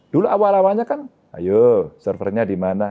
dulu awal awalnya kan ayo servernya di mana